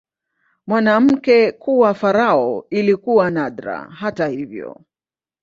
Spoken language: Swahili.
Mwanamke kuwa farao ilikuwa nadra, hata hivyo.